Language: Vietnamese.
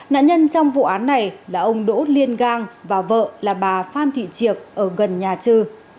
nạn nhân trong vụ án này là ông đỗ liên gang và vợ là bà phan thị triệc ở gần nhà trừ